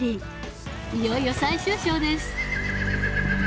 いよいよ最終章です